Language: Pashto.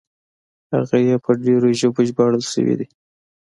هغه یې په ډېرو ژبو ژباړل شوي دي.